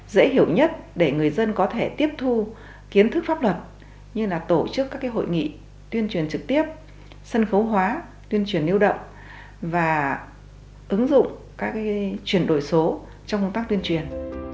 dễ hiểu nhất để người dân có thể tiếp thu kiến thức pháp luật như là tổ chức các hội nghị tuyên truyền trực tiếp sân khấu hóa tuyên truyền lưu động và ứng dụng các chuyển đổi số trong công tác tuyên truyền